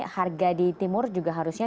harga di timur juga harusnya